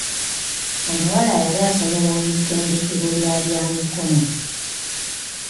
Omuwala yali asomera mu ttendekero lya bya mikono.